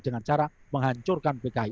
dengan cara menghancurkan bki